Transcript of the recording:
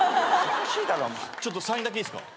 ちょっとサインだけいいっすか？